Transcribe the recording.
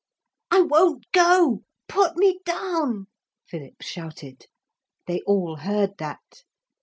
'I won't go. Put me down,' Philip shouted. They all heard that.